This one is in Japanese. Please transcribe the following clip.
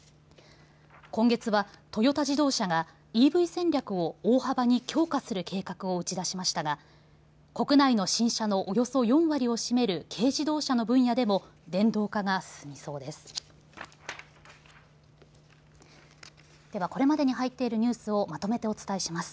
今月はトヨタ自動車がＥＶ戦略を大幅に強化する計画を打ち出しましたが国内の新車のおよそ４割を占める軽自動車の分野でも電動化が進みそうです。